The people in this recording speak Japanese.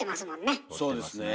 そうですね。